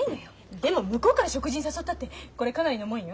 でも向こうから食事に誘ったってこれかなりのもんよ。